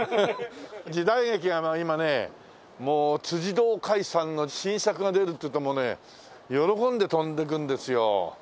時代劇が今ね堂魁さんの新作が出るっていうともうね喜んで飛んでくるんですよ。